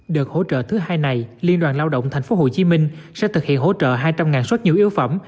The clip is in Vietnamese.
được hỗ trợ thứ hai này liên đoàn lao động tp hcm sẽ thực hiện hỗ trợ hai trăm linh suất nhu yếu phẩm